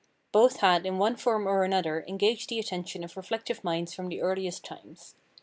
Both had in one form or another engaged the attention of reflective minds from the earliest times.